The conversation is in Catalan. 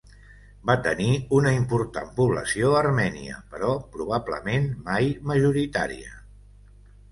Va tenir una important població armènia, però probablement mai majoritària.